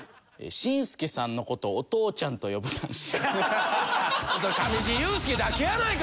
紳助さんの事をお父ちゃんと呼ぶ男子。